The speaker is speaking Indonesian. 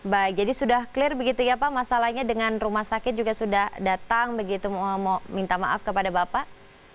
baik jadi sudah clear begitu ya pak masalahnya dengan rumah sakit juga sudah datang begitu mau minta maaf kepada bapak